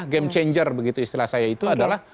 game changer begitu istilah saya itu adalah